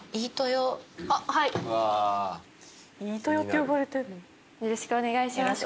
よろしくお願いします。